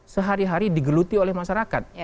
sehari hari digeluti oleh masyarakat